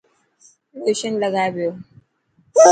لوشن لگائي پيو.